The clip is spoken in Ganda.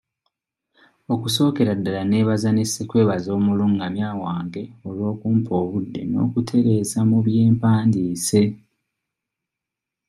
Okusookera ddala neebaza ne ssekwebaza omulungamya wange olw'okumpa obudde n'okuntereeza mu bye mpandiise.